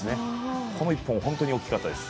この一本は本当に大きかったです。